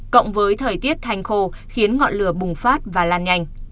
cộng với thời tiết hành khô khiến ngọn lửa bùng phát và lan nhanh